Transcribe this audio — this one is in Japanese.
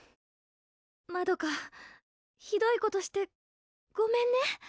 まどかひどいことしてごめんね。